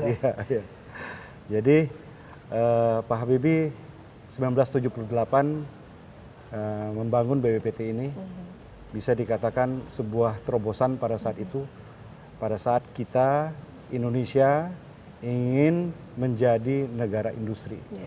iya jadi pak habibie seribu sembilan ratus tujuh puluh delapan membangun bppt ini bisa dikatakan sebuah terobosan pada saat itu pada saat kita indonesia ingin menjadi negara industri